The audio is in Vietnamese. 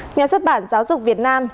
nhà xuất bản giáo dục việt nam